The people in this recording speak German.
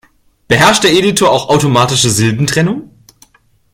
Beherrscht der Editor auch automatische Silbentrennung?